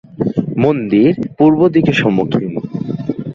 মন্দির পূর্ব দিকে সম্মুখীন।